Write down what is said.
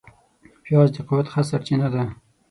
پیاز د قوت ښه سرچینه ده